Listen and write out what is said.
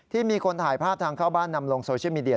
มีคนถ่ายภาพทางเข้าบ้านนำลงโซเชียลมีเดีย